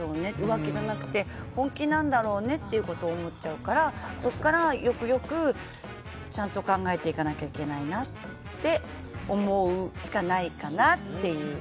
浮気じゃなくて本気なんだろうねと思っちゃうから、そこからよくよく、ちゃんと考えていかないといけないなって思うしかないかなっていう。